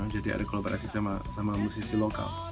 jadi ada kolaborasi sama musisi lokal